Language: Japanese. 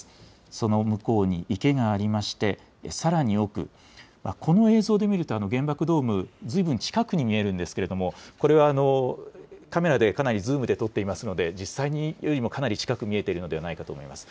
その向こうに池がありまして、さらに奥、この映像で見ると原爆ドーム、ずいぶん近くに見えるんですけれども、これはカメラでかなりズームで撮っていますので、実際よりもかなり近くに見えていると思います。